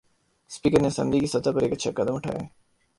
Speaker نے assembly کی سطح پر ایک اچھا قدم اٹھایا ہے۔